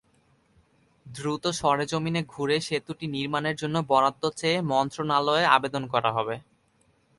দ্রুত সরেজমিনে ঘুরে সেতুটি নির্মাণের জন্য বরাদ্দ চেয়ে মন্ত্রণালয়ে আবেদন করা হবে।